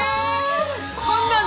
こんなん